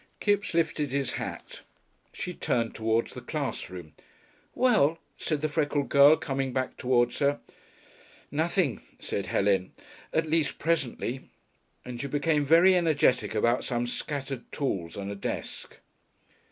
Kipps lifted his hat. She turned towards the class room. "Well?" said the freckled girl, coming back towards her. "Nothing," said Helen. "At least presently." And she became very energetic about some scattered tools on a desk.